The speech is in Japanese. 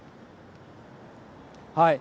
はい。